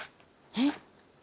えっ？